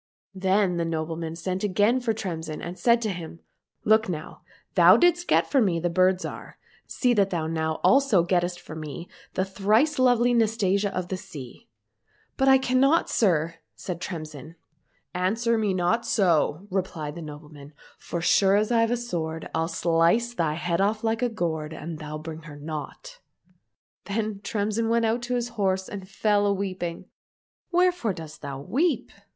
Then the nobleman again sent for Tremsin and said to him, " Look now ! thou didst get for me the Bird Zhar, see that thou now also gettest for me the thrice lovely Nastasia of the sea." —'' But I cannot, sir !" said Tremsin. —" Answer G 97 COSSACK FAIRY TALES me not so !" replied the nobleman, " for so sure as I've a sword, I'll slice thy head off like a gourd an thou bring her not." — Then Tremsin went out to his horse and fell a weeping. —" Wherefore dost thou weep